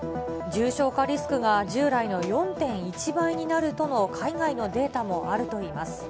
重症化リスクが従来の４．１倍になるとの海外のデータもあるといいます。